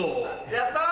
やったぁ！